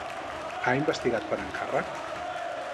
Ha investigat per encàrrec?